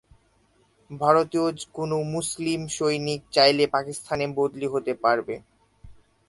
ভারতীয় কোনো মুসলিম সৈনিক চাইলে পাকিস্তানে বদলি হতে পারবে।